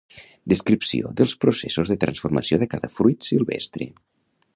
Descripció dels processos de transformació de cada fruit silvestre